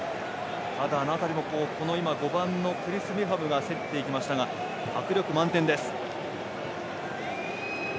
ただ、あの辺りもクリス・メファムが競っていきましたが迫力満点です。